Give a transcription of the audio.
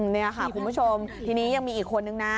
นี่ค่ะคุณผู้ชมทีนี้ยังมีอีกคนนึงนะ